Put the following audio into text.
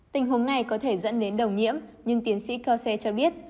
tình huống này có thể dẫn đến đồng nhiễm nhưng tiến sĩ corsair cho biết